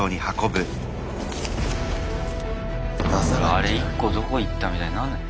あれ１個どこいったみたいになんない？